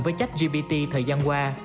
với jack gpt thời gian qua